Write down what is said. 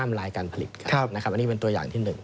ทำลายการผลิตกันอันนี้เป็นตัวอย่างที่๑